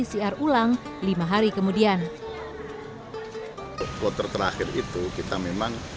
tes pcr ulang lima hari kemudian